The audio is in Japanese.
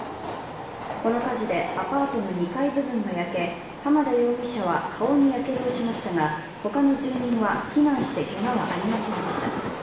この火事でアパートの２階部分が焼け、浜田容疑者は顔にやけどをしましたが、他の住人は避難してけがはありませんでした。